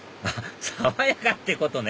爽やかってことね！